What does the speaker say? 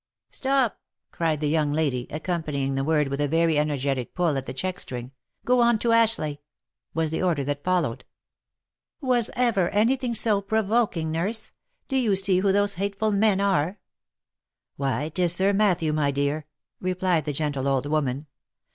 " Stop!" cried the young lady, accompanying the word with a very energetic pull at the check string. " Go on to Ashleigh," was the order that followed. " Was ever any thing so provoking, nurse? Do you see who those hateful men are V " Why 'tis Sir Matthew, my dear," replied the gentle old woman.